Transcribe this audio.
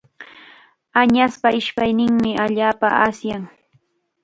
Añaspa ishpayninmi allaapa asyan.